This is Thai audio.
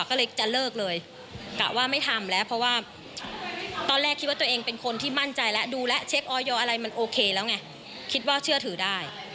โอเคแล้วไงคิดว่าเชื่อถือได้